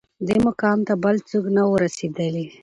دې مقام ته بل څوک نه وه رسېدلي